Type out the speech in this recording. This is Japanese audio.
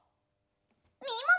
みもも！